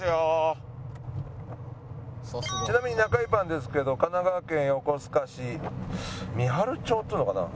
ちなみに中井パンですけど神奈川県横須賀市「みはるちょう」っていうのかな？